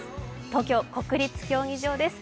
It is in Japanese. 東京国立競技場です。